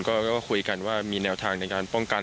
ก็คุยกันว่ามีแนวทางในการป้องกัน